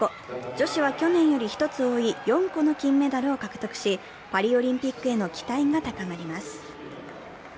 女子は去年より１つ多い４個の金メダルを獲得し、パリオリンピックへの期待が高まります。